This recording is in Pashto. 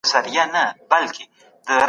که زموږ خاوره بې سارې ده.